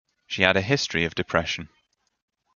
She had a history of depression.